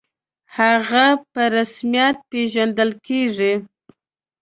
«هغه» په رسمیت پېژندل کېږي.